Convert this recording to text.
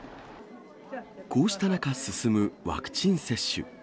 こうした中、進むワクチン接種。